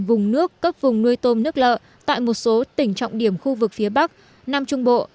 vùng nước cấp vùng nuôi tôm nước lợ tại một số tỉnh trọng điểm khu vực phía bắc nam trung bộ